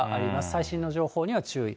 最新の情報には注意。